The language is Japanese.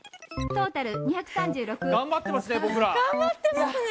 「トータル２４６」。